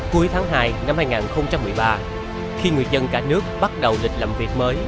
cuối tháng hai năm hai nghìn một mươi ba khi người dân cả nước bắt đầu lịch làm việc mới